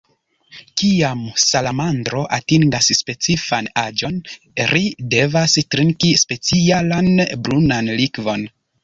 Kiam salamandro atingas specifan aĝon, ri devas trinki specialan brunan likvon.